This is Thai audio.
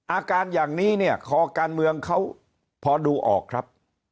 อาการอย่างนี้เนี่ยคอการเมืองเขาพอดูออกครับ